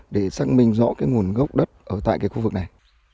để xác minh rõ cái nguồn gốc đất ở tại cái khu vực này